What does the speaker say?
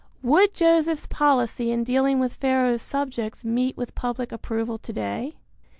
Would Joseph's policy in dealing with Pharaoh's subjects meet with public approval to day?